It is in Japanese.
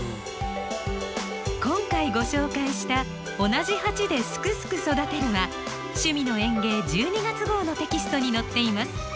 今回ご紹介した「同じ鉢ですくすく育てる」は「趣味の園芸」１２月号のテキストに載っています。